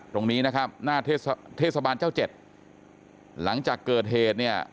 ตรงนี้นะครับหน้าเทศบาลเจ้าเจ็ดหลังจากเกิดเหตุเนี่ย